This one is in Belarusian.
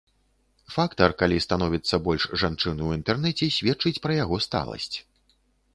Фактар, калі становіцца больш жанчын у інтэрнэце, сведчыць пра яго сталасць.